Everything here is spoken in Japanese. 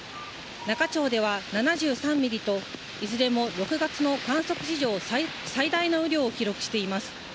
那賀町では７３ミリといずれも６月の観測史上最大の雨量を記録しています。